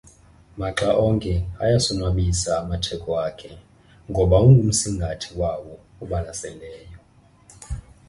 maxa onke ayasonwabisa amatheko akhe ngoba ungumsingathi wawo obalaseleyo